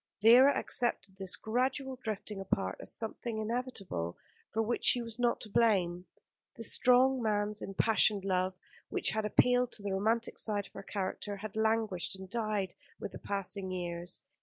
Vera accepted this gradual drifting apart as something inevitable, for which she was not to blame. The strong man's impassioned love, which had appealed to the romantic side of her character, had languished and died with the passing years.